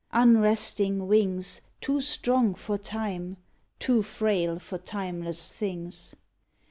lUnresting wings, Too strong for Time, too frail for timeless things